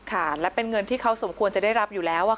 ค่ะและเป็นเงินที่เขาสมควรจะได้รับอยู่แล้ว